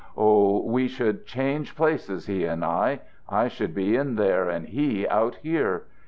Oh, we should change places, he and I! I should be in there and he out here.